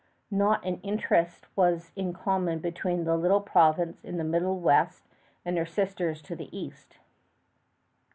Not an interest was in common between the little province of the middle west and her sisters to the east.